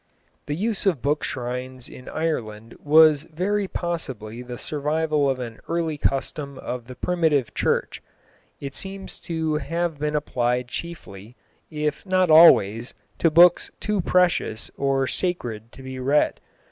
The use of bookshrines in Ireland was very possibly the survival of an early custom of the primitive Church. It seems to have been applied chiefly, if not always, to books too precious or sacred to be read.